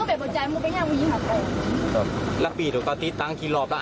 ต้องเผ็ดปัจจัยมันก็ยิ่งหัวไปแล้วปีนก็ติดตังค์ทีหลอบแล้ว